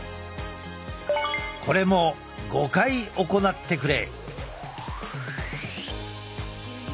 これも５回行ってくれ。